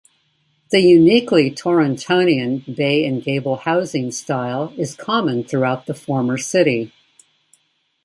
The uniquely Torontonian bay-and-gable housing style is common throughout the former city.